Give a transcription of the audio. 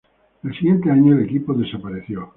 El siguiente año el equipo desapareció.